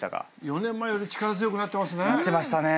４年前より力強くなってますね。